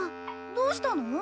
どうしたの？